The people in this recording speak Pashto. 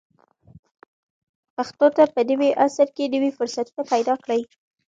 پښتو ته په نوي عصر کې نوي فرصتونه پیدا کړئ.